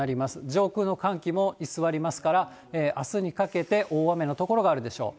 上空の寒気も居座りますから、あすにかけて、大雨の所があるでしょう。